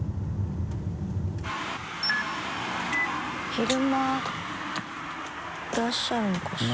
昼間いらっしゃるのかしら？